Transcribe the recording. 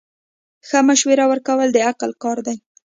ښه مشوره ورکول د عقل کار دی.